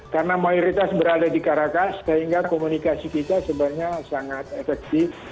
karena mayoritas berada di caracas sehingga komunikasi kita sebenarnya sangat efektif